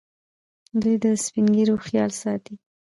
دوی د سپین ږیرو خیال ساتي.